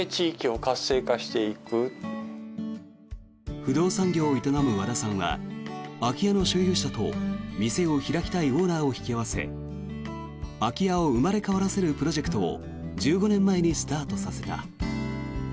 不動産業を営む和田さんは空き家の所有者と店を開きたいオーナーを引き合わせ空き家を生まれ変わらせるプロジェクトを１５年前にスタートさせた。